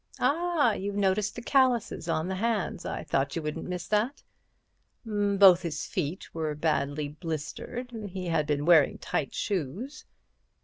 "Ah, you noticed the calluses on the hands—I thought you wouldn't miss that." "Both his feet were badly blistered—he had been wearing tight shoes."